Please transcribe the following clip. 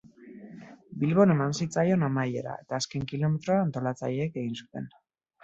Bilbon eman zitzaion amaiera eta azken kilometroa antolatzaileek egin zuten.